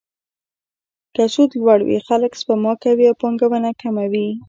که سود لوړ وي، خلک سپما کوي او پانګونه کمه وي.